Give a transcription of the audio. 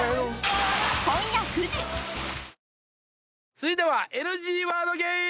続いてはＮＧワードゲーム！